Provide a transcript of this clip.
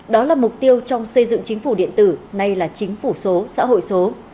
đó là mục tiêu trong xây dựng chính phủ điện tử nay là chính phủ số xã hội số